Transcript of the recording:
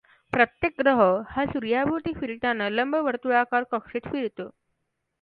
प्रत्येक ग्रह हा सूर्याभोवती फिरताना लंबवर्तुळाकार कक्षेत फिरतो.